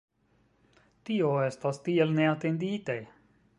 Tio estas tiel neatendite.